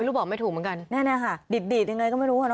ลูกบอกไม่ถูกเหมือนกันแน่ค่ะดีดดีดยังไงก็ไม่รู้อ่ะเน